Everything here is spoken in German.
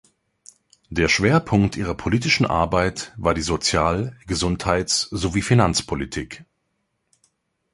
Der Schwerpunkt ihrer politischen Arbeit war die Sozial-, Gesundheits- sowie Finanzpolitik.